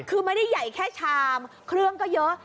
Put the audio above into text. คือไม่ได้ใหญ่แค่ชามเครื่องก็เยอะ